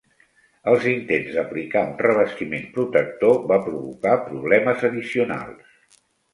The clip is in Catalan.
Els intents d"aplicar un revestiment protector va provocar problemes addicionals.